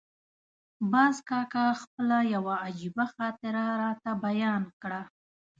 باز کاکا خپله یوه عجیبه خاطره راته بیان کړه.